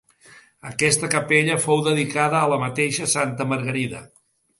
Aquesta capella fou dedicada a la mateixa santa Margarida.